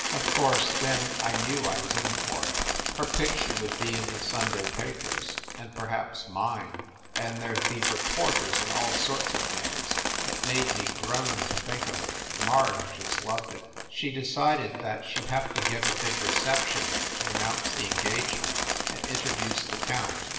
Of course, then, I knew I was in for it. Her picture would be in the Sunday papers, and perhaps mine, and there d be THE ST. PAUL BUILDING 223 reporters and all sorts of things. It made me groan to think of it. Marg just loved it. She decided that she d have to give a big recep tion to announce the engagement and introduce the count.